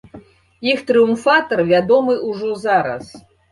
Іх трыумфатар вядомы ўжо зараз.